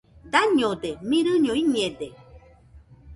Dañode, mirɨño iñede.